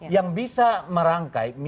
yang bisa merangkai